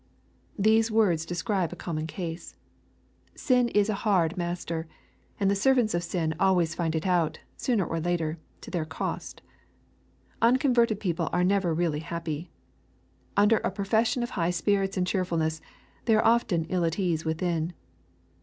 These words describe a common case. Sin is a hard master, and the servants of sin always find it out, sooner or later, to their cost. Unconverted people are never really happy. Under a profession of high spirits and cheerfulness, they are often ill at ease within.